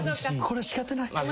これ仕方ない。